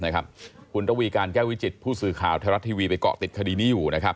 คุณระวีการแก้ววิจิตผู้สื่อข่าวไทยรัฐทีวีไปเกาะติดคดีนี้อยู่นะครับ